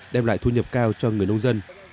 đem lại thu nhập cao cho người nông dân